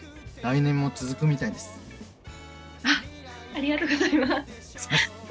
ありがとうございます。